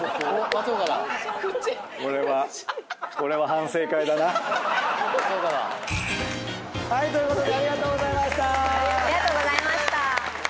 口。ということでありがとうございました！